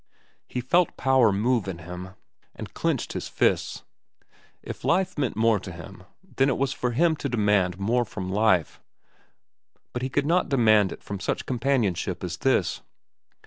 He felt power move in him, and clenched his fists. If life meant more to him, then it was for him to demand more from life, but he could not demand it from such companionship as this.